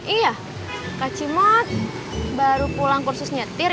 iya kacimot baru pulang kursus nyetir ya